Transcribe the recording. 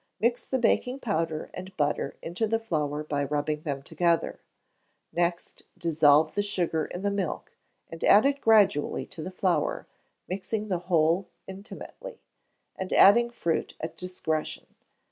Mix the baking powder and butter into the flour by rubbing them together; next dissolve the sugar in the milk, and add it gradually to the flour, mixing the whole intimately, and adding fruit at discretion.